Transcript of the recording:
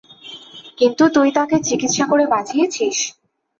কিন্তু তুই তাকে চিকিৎসা করে বাঁচিয়েছিস?